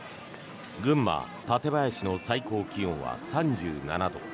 群馬・館林の最高気温は３７度。